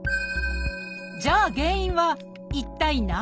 じゃあ原因は一体何？